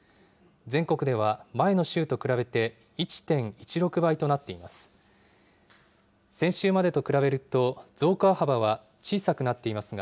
全国では前の週と比べて１．１６倍となっています。